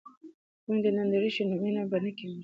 که خویندې نندرې شي نو مینه به نه کمیږي.